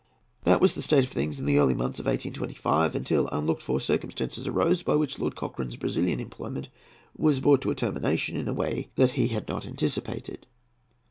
That was the state of things in the early months of 1825, until unlooked for circumstances arose, by which Lord Cochrane's Brazilian employment was brought to a termination in a way that he had not anticipated.